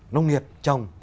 nông nghiệp trồng